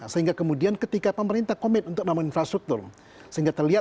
sehingga kemudian ketika pemerintah komit untuk membangun infrastruktur sehingga terlihat